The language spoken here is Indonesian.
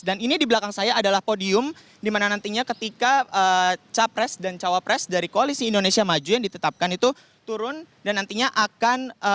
dan ini di belakang saya adalah podium di mana nantinya ketika capres dan cawapres dari koalisi indonesia maju yang ditetapkan itu turun dan nantinya akan